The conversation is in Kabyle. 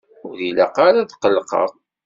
Ur ilaq ara ad qellqeɣ.